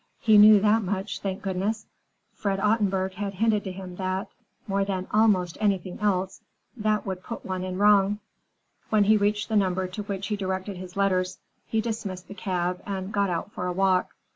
He knew that much, thank goodness! Fred Ottenburg had hinted to him that, more than almost anything else, that would put one in wrong. When he reached the number to which he directed his letters, he dismissed the cab and got out for a walk.